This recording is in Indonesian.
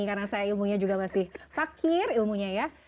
karena saya ilmunya juga masih fakir ilmunya ya